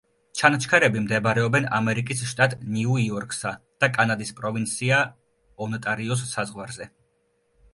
ჩანჩქერები მდებარეობენ ამერიკის შტატ ნიუ-იორკსა და კანადის პროვინცია ონტარიოს საზღვარზე.